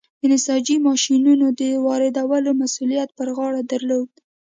د نساجۍ ماشینونو د واردولو مسوولیت پر غاړه درلود.